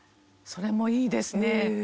それもいいですね。